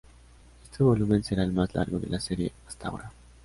Este volumen será el más largo de la serie hasta ahora.